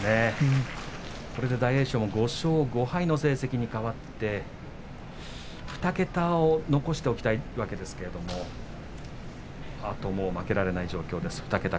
これで大栄翔も５勝５敗の成績にかわって２桁を残しておきたいわけですけれどもあとはもう負けられない状況です。